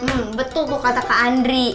hmmmm betul tuh kata kak andri